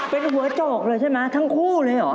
เป็นหัวโจกเลยใช่ไหมทั้งคู่เลยเหรอ